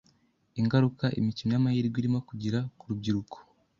ingaruka imikino y’amahirwe irimo kugira ku rubyiruko.